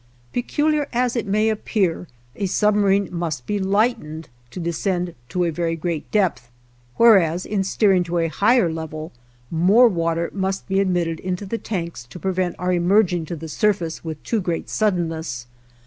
Peculiar as it may appear, a submarine must be lightened to descend to a very great depth, whereas, in steering to a higher level, more water must be admitted into the tanks to prevent our emerging to the surface with too great suddenness.